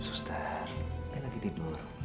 suster dia lagi tidur